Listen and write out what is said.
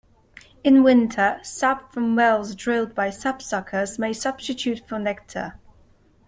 In winter, sap from wells drilled by sapsuckers may substitute for nectar.